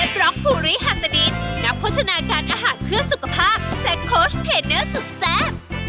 โปรดติดตามตอนต่อไป